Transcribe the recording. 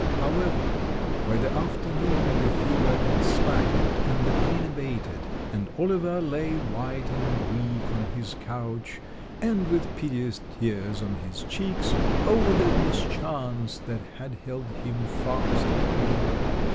However, by the afternoon the fever had slackened, and the pain abated, and Oliver lay white and weak on his couch, and with piteous tears on his cheeks over the mischance that had held him fast at home.